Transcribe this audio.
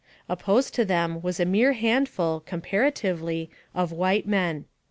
Opposed to them was a mere handful, comparatively, of white men.